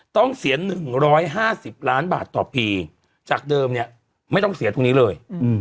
ต้องเสีย๑๕๐ล้านบาทต่อปีจากเดิมเนี่ยไม่ต้องเสียตรงนี้เลย